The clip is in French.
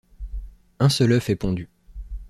Un seul œuf est pondu.